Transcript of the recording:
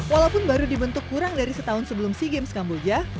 walaupun baru dibentuk kurang dari setahun sebelum sea games kamboja